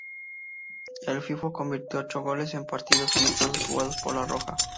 El Fifo convirtió ocho goles en partidos amistosos jugados por la roja.